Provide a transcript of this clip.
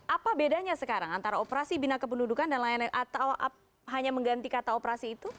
apa bedanya sekarang antara operasi bina kependudukan dan layanan atau hanya mengganti kata operasi itu